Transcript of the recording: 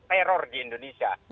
teror di indonesia